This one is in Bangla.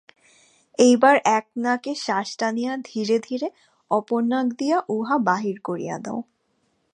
এইবার এক নাকে শ্বাস টানিয়া ধীরে ধীরে অপর নাক দিয়া উহা বাহির করিয়া দাও।